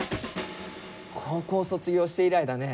高校卒業して以来だね。